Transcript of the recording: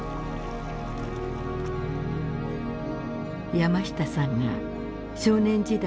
山下さんが少年時代